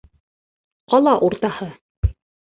Ҡала уртаһы!